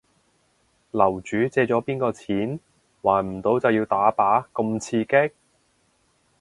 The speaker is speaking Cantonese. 樓主借咗邊個錢？還唔到就要打靶咁刺激